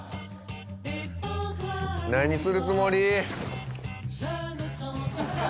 何するつもり？